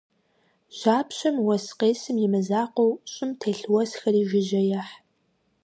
Жьапщэм уэс къесым и мызакъуэу, щӀым телъ уэсхэри жыжьэ ехь.